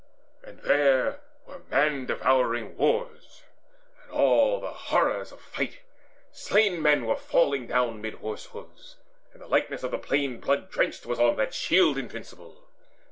And there were man devouring wars, and all Horrors of fight: slain men were falling down Mid horse hoofs; and the likeness of a plain Blood drenched was on that shield invincible.